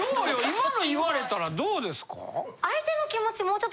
今の言われたらどうですか？